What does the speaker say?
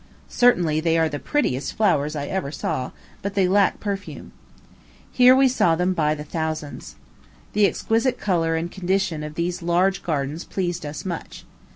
Certainly they are the prettiest flowers I ever saw; but they lack perfume. Here we saw them by thousands. The exquisite order and condition of these large gardens pleased us much.